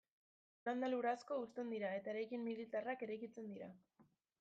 Landa lur asko husten dira eta eraikin militarrak eraikitzen dira.